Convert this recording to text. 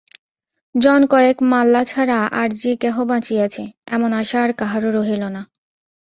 জনকয়েক মাল্লা ছাড়া আর-যে কেহ বাঁচিয়াছে, এমন আশা আর কাহারো রহিল না।